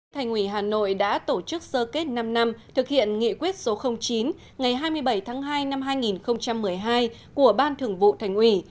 thành ủy hà nội đã tổ chức sơ kết năm năm thực hiện nghị quyết số chín ngày hai mươi bảy tháng hai năm hai nghìn một mươi hai của ban thường vụ thành ủy